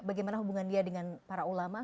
bagaimana hubungan dia dengan para ulama